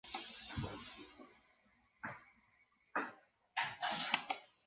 Recientemente se retiró de una carrera de enseñanza en el Palomar Community College.